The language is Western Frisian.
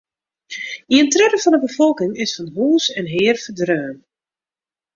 Ien tredde fan de befolking is fan hûs en hear ferdreaun.